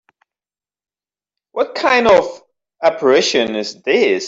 What kind of apparition is this?